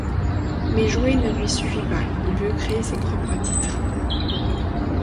Mais jouer ne lui suffit pas, il veut créer ses propres titres.